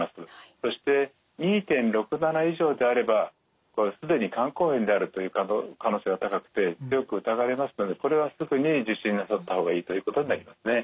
そして２．６７以上であれば既に肝硬変であるという可能性が高くて強く疑われますのでこれはすぐに受診なさった方がいいということになりますね。